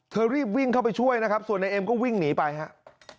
รีบวิ่งเข้าไปช่วยนะครับส่วนนายเอ็มก็วิ่งหนีไปครับ